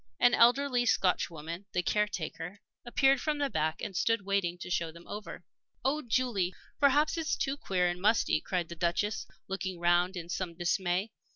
An elderly Scotchwoman, the caretaker, appeared from the back and stood waiting to show them over. "Oh, Julie, perhaps it's too queer and musty!" cried the Duchess, looking round her in some dismay.